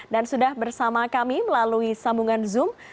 dan sudah bersama kami melalui sambungan zoom